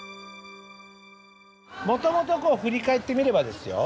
もともとこう振り返ってみればですよ